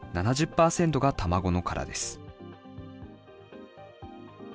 ７０％が卵の殻です。